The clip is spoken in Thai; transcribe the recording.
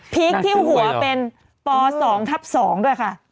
คที่หัวเป็นป๒ทับ๒ด้วยค่ะ